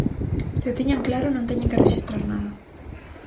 Se o tiñan claro, non teñen que rexistrar nada.